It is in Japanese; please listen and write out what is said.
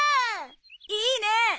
いいねえ！